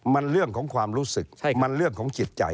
มันเรื่องของความรู้สึกมันเรื่องของจิตใจ